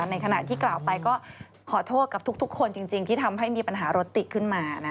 ในขณะที่กล่าวไปก็ขอโทษกับทุกคนจริงที่ทำให้มีปัญหารถติดขึ้นมา